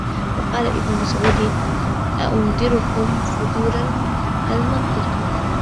وَقَالَ ابْنُ مَسْعُودٍ أُنْذِرُكُمْ فُضُولَ الْمَنْطِقِ